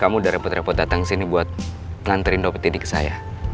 kamu udah repot repot datang sini buat nganterin dompet ini ke saya